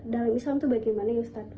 dalam islam itu bagaimana ustadz